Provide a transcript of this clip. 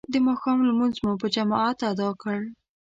د ماښام لمونځ مو په جماعت ادا کړ.